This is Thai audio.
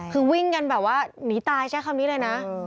คือวิ่งกันแบบว่าหนีตายใช้คำนี้เลยนะ